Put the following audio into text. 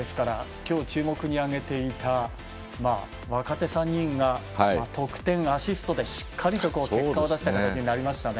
今日、注目に挙げていた若手３人が得点、アシストで結果を出した形になりましたね。